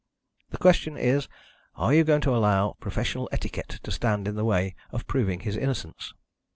The question is, are you going to allow professional etiquette to stand in the way of proving his innocence?"